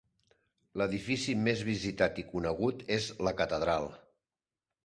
L'edifici més visitat i conegut és la catedral.